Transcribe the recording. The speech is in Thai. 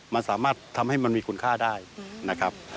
มันสามารถทำให้มันมีคุณค่าได้นะครับ